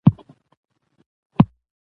کلي د صنعت لپاره ځینې مواد برابروي.